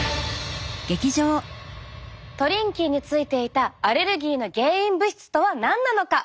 トリンキーについていたアレルギーの原因物質とは何なのか。